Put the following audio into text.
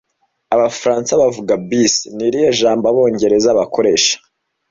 Abafaransa bavuga Bis - ni irihe jambo abongereza bakoresha